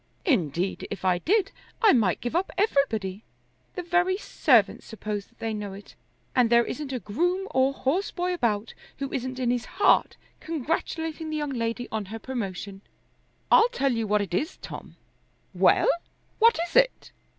Indeed if I did I might give up everybody. The very servants suppose that they know it, and there isn't a groom or horseboy about who isn't in his heart congratulating the young lady on her promotion." "I'll tell you what it is, Tom." "Well; what is it?"